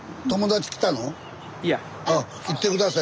あっ行って下さい。